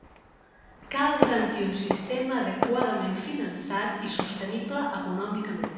Cal garantir un sistema adequadament finançat i sostenible econòmicament.